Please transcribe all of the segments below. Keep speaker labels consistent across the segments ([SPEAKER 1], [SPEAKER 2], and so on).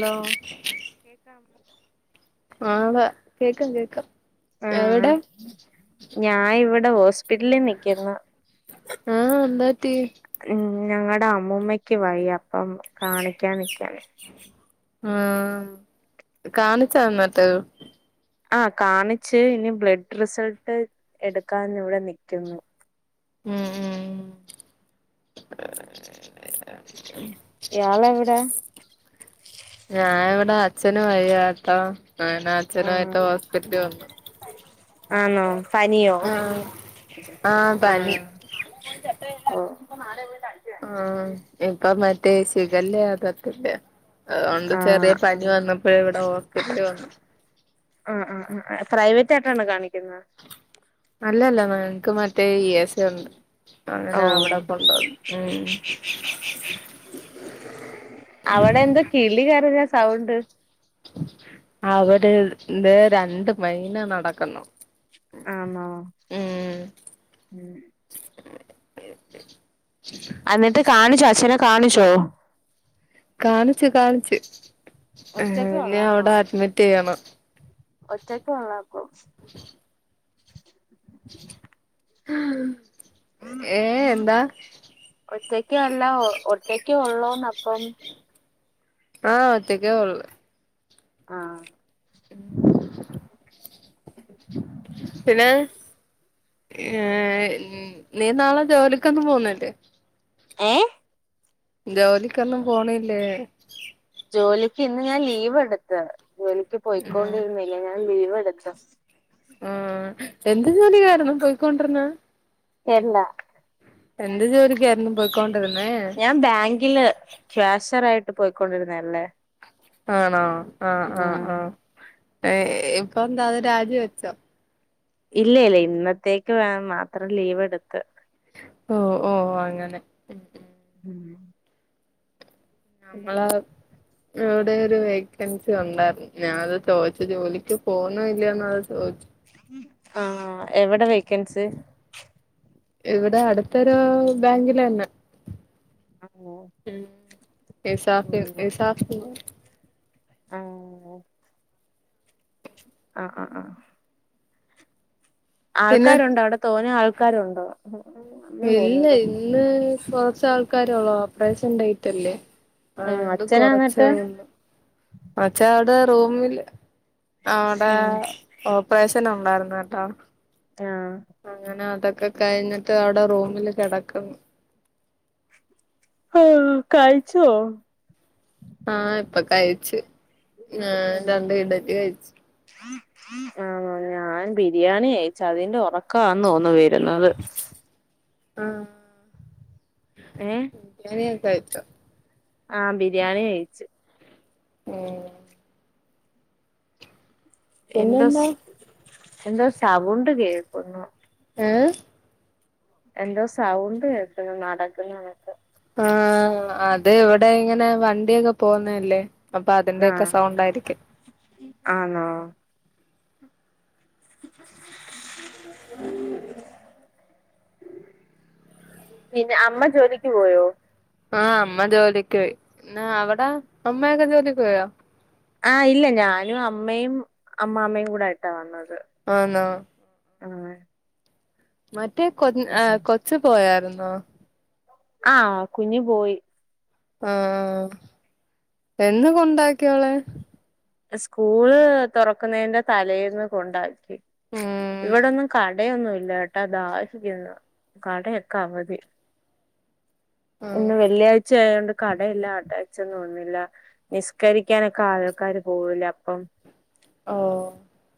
[SPEAKER 1] Hello
[SPEAKER 2] കേക്കാമോ?
[SPEAKER 1] ആതെ കേക്കാം കേക്കാം.
[SPEAKER 2] ആഹ്
[SPEAKER 1] എവെടെ.
[SPEAKER 2] ഞാൻ ഇവെടെ ഓസ്പിറ്റലിൽ നിക്കുന്നു.
[SPEAKER 1] ആഹ് എന്തുപറ്റി
[SPEAKER 2] ഉം. ഞങ്ങെടെ അമ്മൂമ്മക്ക് വയ്യാ. അപ്പം കാണിക്കാ നിക്കാണ്.
[SPEAKER 1] ഏഹ് കാണിച്ചാ എന്നിട്ട്?
[SPEAKER 2] ആഹ് കാണിച്ച്. ഇനി ബ്ലഡ് റിസൾട്ട് എടുക്കാനിവിടെ നിക്കുന്നു.
[SPEAKER 1] മം മം
[SPEAKER 2] ഇയാളെവിടെ
[SPEAKER 1] [unintelligible] ഞാൻ ഇവെടെ അച്ഛന് വയ്യാട്ടോ. അങ്ങനെ അച്ഛനുമായിട്ട് ഹോസ്പിറ്റിലിൽ വന്നു.
[SPEAKER 2] ആന്നോ പനിയോ?
[SPEAKER 1] ആഹ്
[SPEAKER 2] ആഹ് ഓ
[SPEAKER 1] [unintelligible] ആഹ് ഇപ്പം മറ്റേ ഷിഗല്ല അതൊക്കെയില്ലേ. ഏഹ് അതോണ്ട്. ചെറിയ
[SPEAKER 2] ആഹ്
[SPEAKER 1] പനി വന്നപ്പഴേ ഇവെടെ ഹോസ്പിറ്റലിൽ വന്നു.
[SPEAKER 2] ആഹ് ആഹ് ആഹ് പ്രൈവെറ്റായിട്ടാണോ കാണിക്കുന്നേ?
[SPEAKER 1] അല്ലല്ല. ഞങ്ങെക്ക് മറ്റേ ഇ എസ് എ ഒണ്ട്.
[SPEAKER 2] ഓ
[SPEAKER 1] അതിനാ അവടെ കൊണ്ട് പോകും ഉം
[SPEAKER 2] അവടെ എന്താ കിളി കരയെന്ന സൗണ്ട്?
[SPEAKER 1] അവടെ ദേ രണ്ട് മൈന നടക്കുന്നു.
[SPEAKER 2] ആന്നോ
[SPEAKER 1] ഉം
[SPEAKER 2] ഉം അന്നിട്ട് കാണിച്ചോ അച്ഛനെ കാണിച്ചോ?
[SPEAKER 1] കാണിച്ചു, കാണിച്ചു. ഇനി അവടെ അഡ്മിറ്റ് ചെയ്യണം.
[SPEAKER 2] ഒറ്റക്കോള്ളോപ്പം?
[SPEAKER 1] ഹ്
[SPEAKER 2] ഒറ്റക്ക് അല്ല. ഒറ്റെക്കെയൊള്ളോന്ന് അപ്പം.
[SPEAKER 1] ആഹ് ഒറ്റക്കേ ഒള്ള്‌
[SPEAKER 2] ആഹ്
[SPEAKER 1] [unintelligible] പിന്നെ നീ നാളെ ജോലിക്കൊന്നും പോന്നില്ലേ?
[SPEAKER 2] ഏഹ്?
[SPEAKER 1] ജോലിക്കൊന്നും പോണില്ലേ.
[SPEAKER 2] ജോലിക്ക് ഇന്ന് ഞാൻ ലീവെടുത്തു. ജോലിക്ക്
[SPEAKER 1] ഉം
[SPEAKER 2] പോയ്ക്കൊണ്ടിരുന്നില്ലേ. ഞാ ൻ ലീവെടുത്തു.
[SPEAKER 1] ആഹ് എന്ത് ജോലിക്കാരുന്ന് പോയ്ക്കൊണ്ടിരുന്നേ?
[SPEAKER 2] എന്താ
[SPEAKER 1] എന്ത് ജോലിക്കാരുന്നു?
[SPEAKER 2] ഞാൻ ബാങ്കില് ക്യാഷെറ് ആയിട്ട് പോക്കൊണ്ടിരുന്നല്ലേ.
[SPEAKER 1] ആണോ ആഹ് ആഹ് ആഹ് ഇപ്പൊ എന്താ അത് രാജി വെച്ചോ.
[SPEAKER 2] ഇല്ല ഇല്ല ഇന്നത്തേക്ക് വേൻ മാത്രം ലീവ് എടുത്ത്.
[SPEAKER 1] ഓ ഓ അങ്ങനെ. ഉം
[SPEAKER 2] ഉം
[SPEAKER 1] നമ്മള എവ്ടെ ഒരു വെ ഗസ്റ്റ് വന്നാർന്നു ഞാനത് ചോയ്ച്ച ജോലിക്ക് പോണുല്ലന്ന് ചോദ്ച്ചു.
[SPEAKER 2] ആഹ് എവടെ വേക്കൻസ്.
[SPEAKER 1] ഇവടെ അടുത്തൊരു ബാങ്കിലന്നെ
[SPEAKER 2] ഉം
[SPEAKER 1] ഉം ഇസാഫ്‌ [unintelligible] സാഫ്‌.
[SPEAKER 2] ആഹ് ആഹ് ആഹ് ആഹ്
[SPEAKER 1] പിന്നെ
[SPEAKER 2] ആൾക്കാരുണ്ടോ അവ്ടെ തോനെ ആൾക്കാരുണ്ടോ? അമ്മ
[SPEAKER 1] ഇല്ല
[SPEAKER 2] പോകുന്നുണ്ടോ
[SPEAKER 1] ഇന്ന് കൊർച് ആൾക്കാരോള്ളു ഓപ്പറേഷൻ ടെയ്റ്റല്ലേ.
[SPEAKER 2] ഉം
[SPEAKER 1] അതുകൊണ്ട്
[SPEAKER 2] അച്ഛനാ
[SPEAKER 1] കൊറച്
[SPEAKER 2] എന്നിട്ട്
[SPEAKER 1] [unintelligible] അച്ചാ അവ്ടെ റൂമില് അവ്ടെ
[SPEAKER 2] ഉം
[SPEAKER 1] ഓപ്പറേഷൻ ഉണ്ടായിരുന്നു കെട്ടോ.
[SPEAKER 2] ആഹ്
[SPEAKER 1] അങ്ങനെ അതൊക്കെ കഴിഞ്ഞിട്ട് അവ്ടെ റൂമില് കെടക്കുന്നു
[SPEAKER 2] ഹ കഴിച്ചോ
[SPEAKER 1] ആഹ് ഇപ്പ കഴിച്ച് രണ്ട് ഇടലി കഴിച്ച്
[SPEAKER 2] ആഹ് ഞാൻ ബിരിയാണി കയിച്ച് അതിന്റെ ഉറക്കാന്ന് തോന്നുന് വരുന്നത്.
[SPEAKER 1] ആഹ്
[SPEAKER 2] ഏഹ്
[SPEAKER 1] ബിരിയാണി യൊക്കെ കഴിച്ചോ
[SPEAKER 2] ആഹ് ബിരിയാണി കഴിച്ച്
[SPEAKER 1] ഏഹ് പിന്നെന്താ
[SPEAKER 2] എന്തോസ് എന്തോ സൗണ്ട് കേൾക്കുന്നു.
[SPEAKER 1] ഏഹ്
[SPEAKER 2] എന്തോ സൗണ്ട് കേൾക്കുന്നു നടക്കുന്നത്.
[SPEAKER 1] ആഹ് അത് ഇവടെങ്ങനെ വണ്ടിയൊക്കെ പോകുന്നല്ലേ. അപ്പൊ
[SPEAKER 2] ആ
[SPEAKER 1] അതിന്റെയൊക്കെ സൗണ്ട് ആയിരിക്കും.
[SPEAKER 2] ആണോ. [inaudible] പിന്നെ അമ്മ ജോലിക്ക് പോയോ?
[SPEAKER 1] ആഹ് അമ്മ ജോലിക്ക് പോയി എന്ന അവിടാ അമ്മയൊക്കെ ജോലിക്ക് പോയോ.
[SPEAKER 2] ആഹ് ഇല്ല ഞാനും അമ്മയും അമ്മാമ്മയും കൂടെ ഇട്ടാ വന്നത്.
[SPEAKER 1] ആണോ
[SPEAKER 2] ആഹ്
[SPEAKER 1] മറ്റേ കൊ കൊച് പോയായിർന്നോ.
[SPEAKER 2] ആഹ് കുഞ്ഞു പോയി.
[SPEAKER 1] ആഹ് എന്ന് കൊണ്ടാക്കിയവളെ
[SPEAKER 2] സ്കൂള് തുറക്കുന്നതിന്റെ തലേന്ന് കൊണ്ടാക്കി.
[SPEAKER 1] ഉം
[SPEAKER 2] ഇവടെന്നും കടയൊന്നുല്ല. [unintelligible] കടയൊക്കെ അവധി
[SPEAKER 1] ആഹ്
[SPEAKER 2] ഇന്ന് വെള്ളിയാഴ് ച്ചായോണ്ട് കടെയെല്ലാം അടചന്നും തോന്നുന്നില്ല. നിസ്കരിക്കാനൊക്കെ ആൾക്കാര് പോവൂലെ അപ്പം.
[SPEAKER 1] ഓ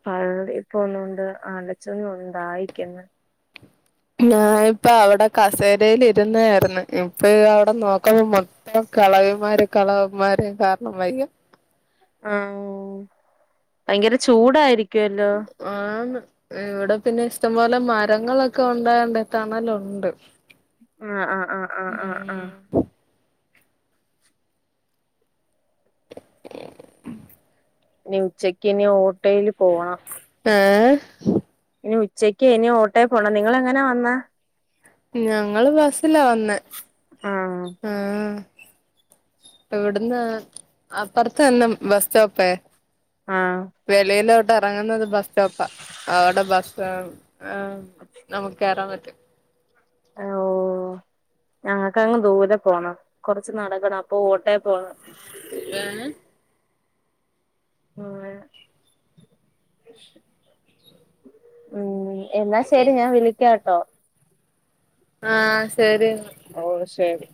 [SPEAKER 2] പ ഇപ്പൊന്നുകൊണ്ട് അലച്ചൊഞ് ദാഹിക്ന്ന്.
[SPEAKER 1] ഞാനിപ്പോ അവിടെ കസേരയിലിരുന്നായിരുന്നു ഇപ്പൊ അവിടെ നോക്ണ മൊത്തം കെളവിന്മാര് കളവന്മാര് കാരണം വയ്യ.
[SPEAKER 2] ആഹ് ഭയങ്കര ചൂടായിരിക്കും അല്ലോ
[SPEAKER 1] ആന്ന് ഇവിടെ പിന്നെ ഇഷ്ടംപോലെ മരങ്ങളൊക്കെ ഉണ്ടായോണ്ട് തണലുണ്ട്
[SPEAKER 2] ആ ആ ആ ആ
[SPEAKER 1] ഉം
[SPEAKER 2] ആഹ്
[SPEAKER 1] [inaudible]
[SPEAKER 2] ഇനി ഉച്ചക്കിനി ഓട്ടോയില് പോവണം
[SPEAKER 1] ഏഹ്
[SPEAKER 2] ഇനി ഉച്ചയ്ക്ക് ഇനി ഓട്ടേ പോണം നിങ്ങളെ എങ്ങനെ വന്നേ
[SPEAKER 1] ഞങ്ങള് ബസ്സിലാ വന്നേ
[SPEAKER 2] ആഹ്
[SPEAKER 1] ആഹ് ഇവട്ന്ന് അപ്പുറത്ത് തന്നെ ബ സ്റ്റോപ്പേ
[SPEAKER 2] ആഹ്
[SPEAKER 1] വെളിയിലോട്ടെറങ്ങുന്നത് ബസ്റ്റോപ്പാ അവടെ ബസ്- ആഹ്
[SPEAKER 2] [inaudible]
[SPEAKER 1] നമുക്കേറാ പറ്റും
[SPEAKER 2] ഹലോ ഞങ്ങക്കങ്ങ് ദൂരെ പോണം കൊറച്ച് നടക്കണം അപ്പൊ ഓട്ടെ പോണം
[SPEAKER 1] ഏഹ്
[SPEAKER 2] [unintelligible] ഉം എന്നാ ശരി ഞാൻ വിളിക്കാട്ടോ
[SPEAKER 1] ആഹ് ശരി എന്നാ
[SPEAKER 2] ഓ ശരി